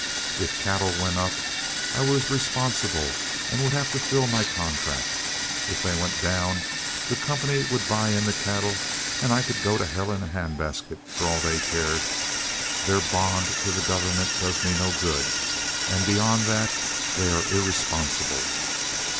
If cattle went up, I was responsible and would have to fill my contract; if they went down, the company would buy in the cattle and I could go to hell in a hand basket for all they cared. Their bond to the government does me no good, and beyond that they are irresponsible.